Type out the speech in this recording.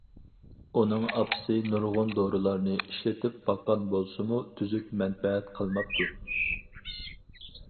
ئۇنىڭ ئاپىسى نۇرغۇن دورىلارنى ئىشلىتىپ باققان بولسىمۇ تۈزۈك مەنپەئەت قىلماپتۇ.